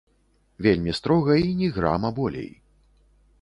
Вельмі строга і ні грама болей.